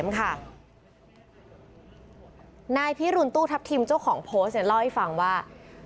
ค่ะนายพี่ลุนตู้ทับทิมเจ้าของโพสต์เนี่ยเล่าให้ฟังว่า